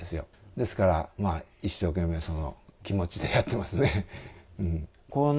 ですから一生懸命その気持ちでやっています。